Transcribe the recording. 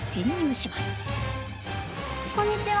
こんにちは！